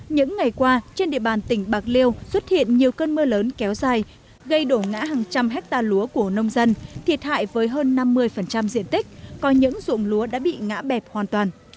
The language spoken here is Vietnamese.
những ngày qua trên địa bàn tỉnh bạc liêu xuất hiện nhiều cơn mưa lớn kéo dài gây đổ ngã hàng trăm hectare lúa của nông dân thiệt hại với hơn năm mươi diện tích có những ruộng lúa đã bị ngã bẹp hoàn toàn